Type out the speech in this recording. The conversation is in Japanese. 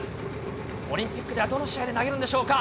オリンピックではどの試合で投げるんでしょうか。